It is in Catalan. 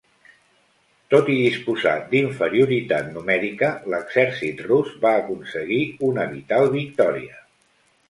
Tot i disposar d'inferioritat numèrica, l'exèrcit rus va aconseguir una vital victòria.